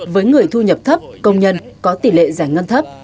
với người thu nhập thấp công nhân có tỷ lệ giải ngân thấp